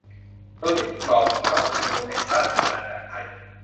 โดยยึดกรอบของรัฐธรรมนูญแห่งราชอาณาจักรไทย